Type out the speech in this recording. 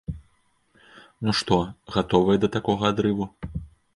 Ну што, гатовыя да такога адрыву?